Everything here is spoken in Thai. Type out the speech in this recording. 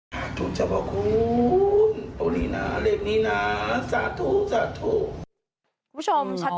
มาทุกจะเบาคุณ